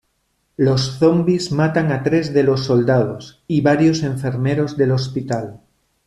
Los zombies matan a tres de los soldados y varios enfermeros del hospital.